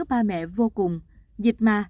ba mẹ vô cùng dịch mà